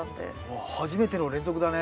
ああ初めての連続だね。